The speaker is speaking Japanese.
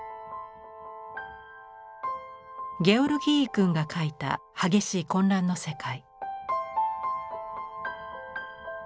ゲオルギーイ君が描いた激しい混乱の世界。